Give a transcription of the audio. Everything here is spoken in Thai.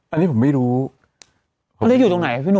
อันนี้ผมไม่รู้แล้วอยู่ตรงไหนพี่หนุ่ม